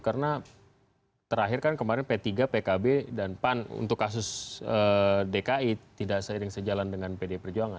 karena terakhir kan kemarin p tiga pkb dan pan untuk kasus dki tidak seiring sejalan dengan pdi perjuangan